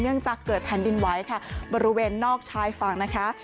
จากเกิดแผ่นดินไหวค่ะบริเวณนอกชายฝั่งนะคะ